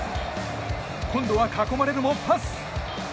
今度は囲まれるもパス。